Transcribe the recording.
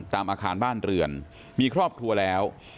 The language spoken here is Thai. ตามอาคารบ้านเรือนมีครอบครัวแล้ว